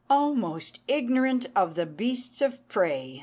'" "O most ignorant of the beasts of prey!"